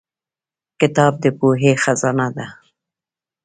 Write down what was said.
کتاب د پوهې خزانه ده